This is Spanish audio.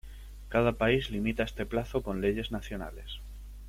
Cada país limita este plazo con leyes nacionales.